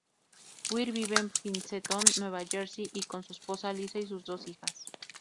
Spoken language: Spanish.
Wright vive en Princeton, Nueva Jersey con su esposa Lisa y sus dos hijas.